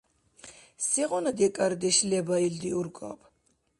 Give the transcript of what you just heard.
Сегъуна декӀардеш леба илди-ургаб?